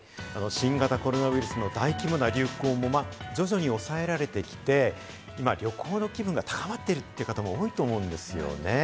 新型コロナウイルスの大規模な流行も徐々に抑えられてきて、今、旅行の気分が高まっているという方も多いと思うんですよね。